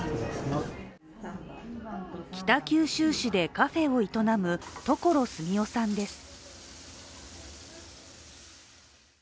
北九州市でカフェを営む所純雄さんです。